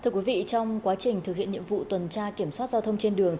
thưa quý vị trong quá trình thực hiện nhiệm vụ tuần tra kiểm soát giao thông trên đường